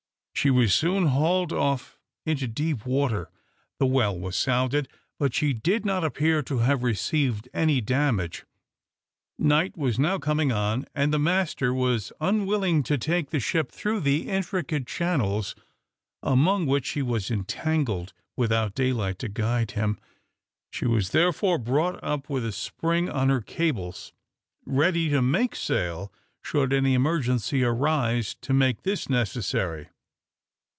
She was soon hauled off into deep water. The well was sounded, but she did not appear to have received any damage. Night was now coming on, and the master was unwilling to take the ship through the intricate channels, among which she was entangled, without daylight to guide him. She was therefore brought up with a spring on her cables, ready to make sail, should any emergency arise to make this necessary.